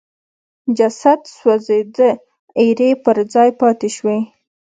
جسد سوځېد ایرې پر ځای پاتې شوې.